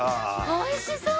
おいしそう！